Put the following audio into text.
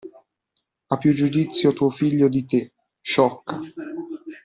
Ha più giudizio tuo figlio di te, sciocca.